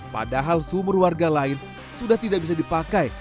padahal sumur warga lain sudah tidak bisa dipakai